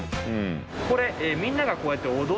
これみんながこうやって踊る場所。